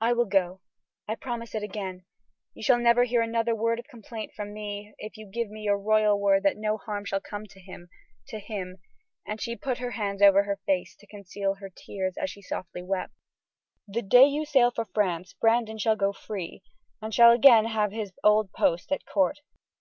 "I will go; I promise it again. You shall never hear another word of complaint from me if you give me your royal word that no harm shall come to him to him," and she put her hands over her face to conceal her tears as she softly wept. "The day you sail for France, Brandon shall go free and shall again have his old post at court.